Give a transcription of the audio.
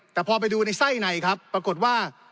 แต่พอไปดูในไส้ในครับปรากฏว่า